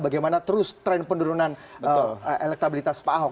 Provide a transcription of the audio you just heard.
bagaimana terus tren penurunan elektabilitas pak ahok